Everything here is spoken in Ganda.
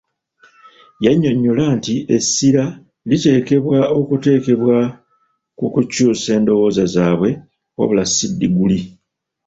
Yannyonyola nti essira liteekeddwa okuteekebwa ku kukyuusa endowooza zaabwe wabula si ddiguli..